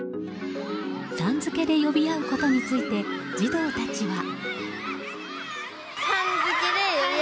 さん付けで呼び合うことについて児童たちは。